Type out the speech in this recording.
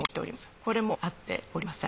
これも合っておりません。